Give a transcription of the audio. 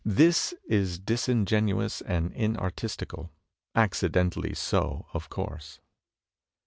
This is disingenuous and inartistical; accidentally so, of course."